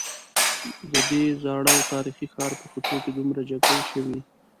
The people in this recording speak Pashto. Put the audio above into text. ددې زاړه او تاریخي ښار په کوڅو کې دومره جګړې شوي.